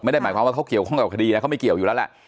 ไม่ได้หมายความว่าเขาเกี่ยวข้องกับคดีนะเขาไม่เกี่ยวอยู่แล้วแหละ